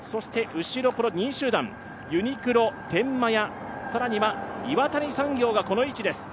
後ろの２位集団、ユニクロ、天満屋、岩谷産業がこの位置です。